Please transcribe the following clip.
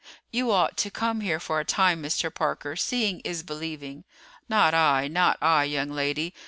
"You ought to come here for a time, Mr. Parker; seeing is believing." "Not I, not I, young lady.